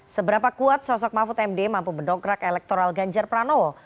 seberapa kuat sosok mahfud md mampu mendongkrak elektoral ganjar pranowo